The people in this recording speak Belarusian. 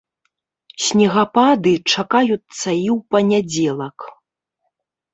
Снегапады чакаюцца і ў панядзелак.